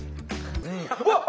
うわっ！